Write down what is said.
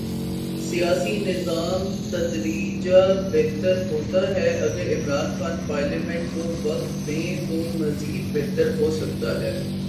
سیاسی نظام تدریجا بہتر ہوتا ہے اگر عمران خان پارلیمنٹ کو وقت دیں تو مزید بہتر ہو سکتا ہے۔